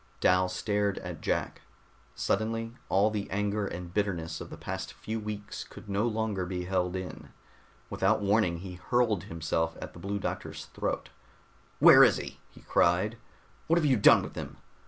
Dal stared at Jack. Suddenly all the anger and bitterness of the past few weeks could no longer be held in. Without warning he hurled himself at the Blue Doctor's throat. "Where is he?" he cried. "What have you done with him?